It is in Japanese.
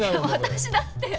私だって。